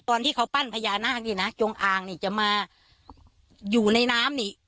ตอนที่เขาปั้นพญานาคนี่นะจงอางนี่จะมาอยู่ในน้ำนี่